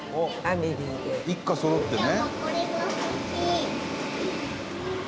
伊達：一家そろってね。